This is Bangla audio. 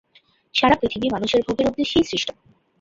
সারা পৃথিবী মানুষের ভোগের উদ্দেশ্যে সৃষ্ট।